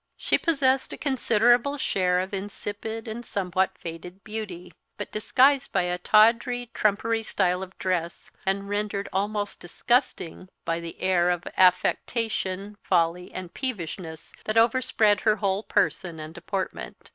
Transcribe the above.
She possessed a considerable share of insipid and somewhat faded beauty, but disguised by a tawdry trumpery style of dress, and rendered almost disgusting by the air of affectation, folly, and peevishness that overspread her whole person and deportment.